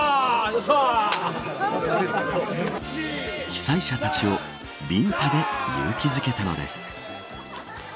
被災者たちをビンタで勇気づけたのです。